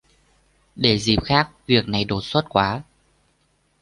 Để dịp khác việc này đột xuất quá